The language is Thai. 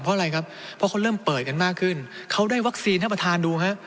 เพราะอะไรครับเพราะเขาเริ่มเปิดกันมากขึ้นเขาได้วัคซีนท่านประธานดูฮะ